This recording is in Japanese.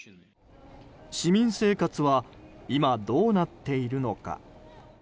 市民生活は今、どうなっているのか。